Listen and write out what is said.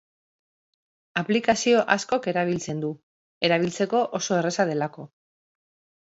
Aplikazio askok erabiltzen du, erabiltzeko oso erraza delako.